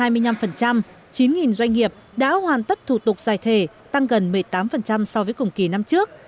chín doanh nghiệp đã hoàn tất thủ tục giải thể tăng gần một mươi tám so với cùng kỳ năm trước